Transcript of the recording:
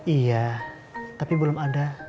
iya tapi belum ada